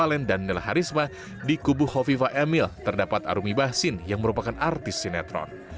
allen daniel harisma di kubuh hoviva emil terdapat arumi bahsin yang merupakan artis sinetron